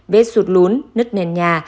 bết sụt lún nứt nền nhà